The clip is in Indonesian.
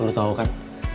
lo tau kan